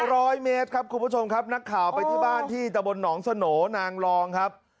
ร้อยเมตรครับคุณผู้ชมครับนักข่าวไปที่บ้านที่ตะบนหนองสโหนนางรองครับ